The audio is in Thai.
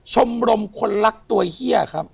ชมรมคนรักตัวเฮียครับ